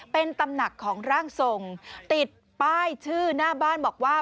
เป็นตำหนักของร่างทรงติดป้ายชื่อหน้าบ้านบอกว่า